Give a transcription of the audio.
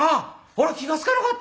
俺気が付かなかった。